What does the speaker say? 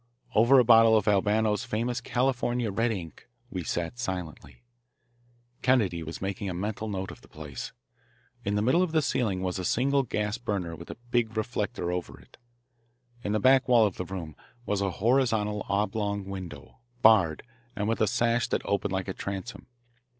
Over a bottle of Albano's famous California "red ink" we sat silently. Kennedy was making a mental note of the place. In the middle of the ceiling was a single gas burner with a big reflector over, it. In the back wall of the room was a horizontal oblong window, barred, and with a sash that opened like a transom.